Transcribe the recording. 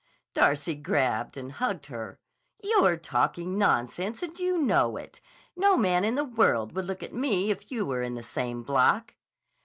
Darcy grabbed and hugged her. "You're talking nonsense, and you know it. No man in the world would look at me if you were in the same block."